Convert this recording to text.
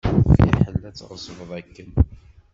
Fiḥel ad tɣeṣbeḍ akken.